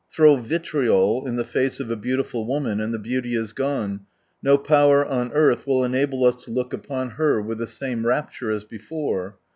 Throw vitriol in the face of a beautiful woman, and the beauty is gone, no power on earth will enable us to look upon her with the same rapture as before.